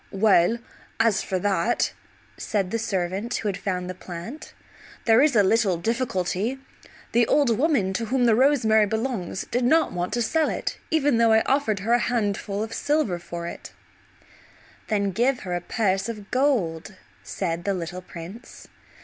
"Well, as for that," said the servant who had found the plant, "there is a little difficulty. The old woman to whom the rosemary belongs did not want to sell it even though I offered her a handful of silver for it." "Then give her a purse of gold," said the little prince.